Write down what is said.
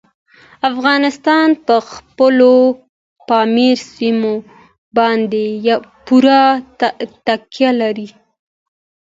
افغانستان په خپلو پامیر سیمو باندې پوره تکیه لري.